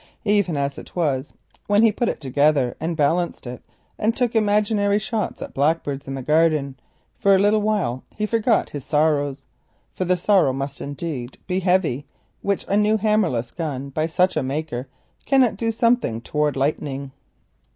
Even as it was, when he put it together and balanced it and took imaginary shots at blackbirds in the garden, for a little while he forgot his sorrows, for the woe must indeed be heavy which a new hammerless gun by such a maker cannot do something towards lightening.